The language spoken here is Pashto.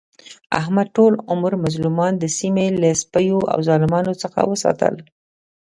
احمد ټول عمر مظلومان د سیمې له سپیو او ظالمانو څخه وساتل.